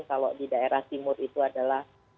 kalau di daerah timur itu adalah